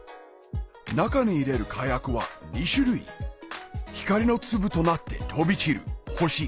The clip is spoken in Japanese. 中に入れる火薬は２種類光の粒となって飛び散る